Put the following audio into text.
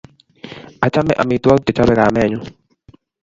achame amitwogik che chapei kamenyu